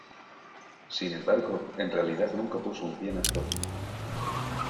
Sin embargo, en realidad nunca puso un pie en Astoria.